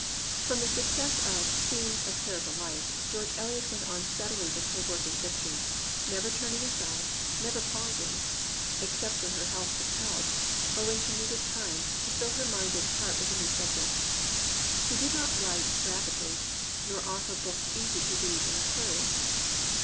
From the success of Scenes of Clerical Life George Eliot went on steadily with her work in fiction, never turning aside, never pausing even, except when her health compelled, or when she needed time to fill her mind and heart with a new subject. She did not write rapidly, nor are her books easy to read in a hurry.